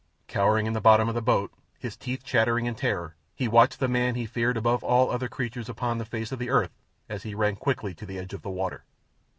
Cowering in the bottom of the boat, his teeth chattering in terror, he watched the man he feared above all other creatures upon the face of the earth as he ran quickly to the edge of the water.